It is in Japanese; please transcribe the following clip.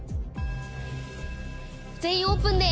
「全員オープン」で。